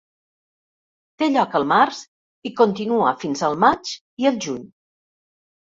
Té lloc al març i continua fins al maig i el juny.